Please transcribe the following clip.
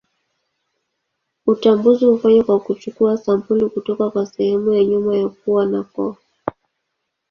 Utambuzi hufanywa kwa kuchukua sampuli kutoka kwa sehemu ya nyuma ya pua na koo.